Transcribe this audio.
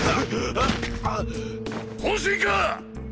本心かァ！？